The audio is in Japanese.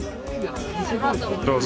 どうぞ。